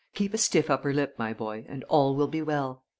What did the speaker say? "Keep a stiff upper lip, my boy, and all will be well.